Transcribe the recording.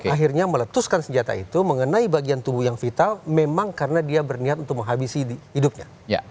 akhirnya meletuskan senjata itu mengenai bagian tubuh yang vital memang karena dia berniat untuk menghabisi hidupnya